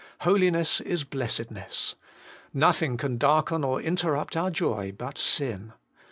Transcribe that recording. Holiness is blessedness. Nothing can darken or interrupt our joy but sin.